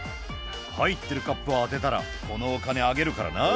「入ってるカップを当てたらこのお金あげるからな」